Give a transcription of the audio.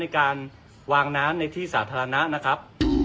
การวางน้ำในที่สาธารณะนะครับ